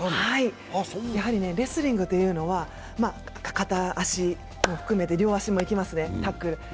やはりレスリングというのは片足含めて、両足もいきますね、タックル。